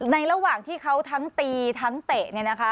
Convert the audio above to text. ระหว่างที่เขาทั้งตีทั้งเตะเนี่ยนะคะ